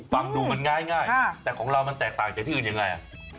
ฟังดูมันง่ายแต่ของเรามันแตกต่างจากที่อื่นยังไง